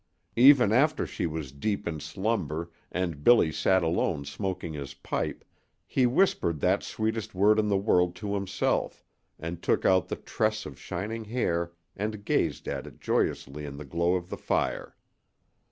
Even after she was deep in slumber and Billy sat alone smoking his pipe he whispered that sweetest word in the world to himself, and took out the tress of shining hair and gazed at it joyously in the glow of the fire.